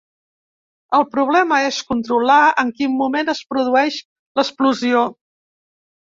El problema és controlar en quin moment es produeix l'explosió.